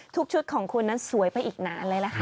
ชุดของคุณนั้นสวยไปอีกนานเลยล่ะค่ะ